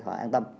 họ an tâm